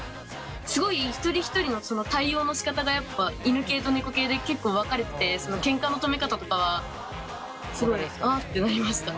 すごい一人一人の対応のしかたがやっぱ犬系と猫系で結構分かれててケンカの止め方とかはすごい「あっ」てなりました。